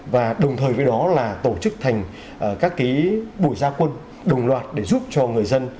và đồng thời với đó là tổ chức thành các buổi gia quân đồng loạt để giúp cho người dân